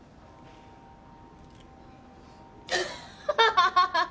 ハハハハ！